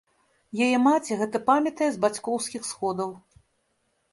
Яе маці гэта памятае з бацькоўскіх сходаў.